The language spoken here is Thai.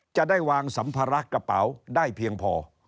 จะได้วางสัมภาระกระเป๋าได้เพียงพอ